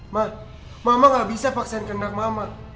mak mama gak bisa paksain kendak mama